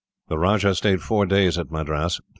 The Rajah stayed four days at Madras.